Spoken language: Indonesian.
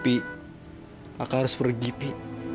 pi kakak harus pergi pi